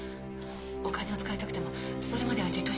お金を使いたくてもそれまではじっとして。